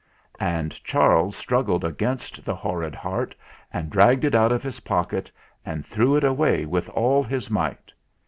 And Charles struggled against the horrid heart, and dragged it out of his pocket and threw it away with all his might.